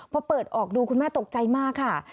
พอเปิดออกดูคุณแม่ตกใจมากค่ะ